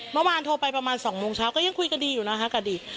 เมื่อวานโทรไปประมาณ๒โมงเช้าก็ยังคุยกันดีอยู่นะคะกับดี